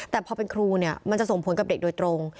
แต่พอเป็นครูเนี่ยมันจะส่งผลกับเด็กโดยตรง